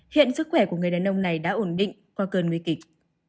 hiện sức khỏe của người đàn ông này đã ổn định qua cơn nguy kịch